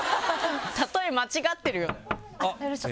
例え間違ってるよ。